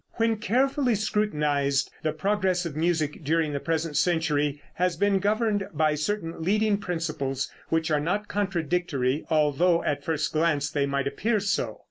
When carefully scrutinized, the progress of music during the present century has been governed by certain leading principles which are not contradictory, although at first glance they might appear so.